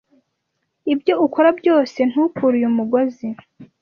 Ibyo ukora byose, ntukure uyu mugozi.